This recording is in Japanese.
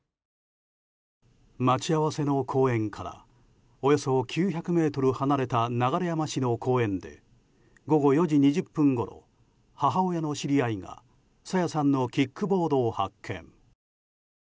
待ち合わせの公園からおよそ９００ｍ離れた流山市の公園で午後４時２０分ごろ母親の知り合いが朝芽さんのキックボードを発見。